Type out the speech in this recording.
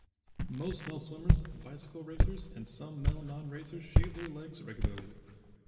Most male swimmers, bicycle racers, and some male non-racers shave their legs regularly.